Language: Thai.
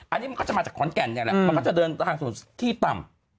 อันนี้มันก็จะมาจากขอนแก่นเนี่ยแหละมันก็จะเดินทางส่วนที่ต่ำ